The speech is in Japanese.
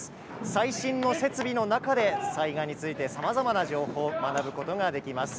最新の設備の中で災害についてさまざまな情報を学ぶことができます。